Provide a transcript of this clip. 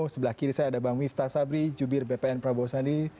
sebelah kiri saya ada bang miftah sabri jubir bpn prabowo sandi